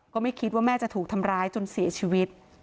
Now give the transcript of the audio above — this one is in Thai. ก็ไม่คิดว่าแม่จะถูกทำร้ายจนเสียชีวิต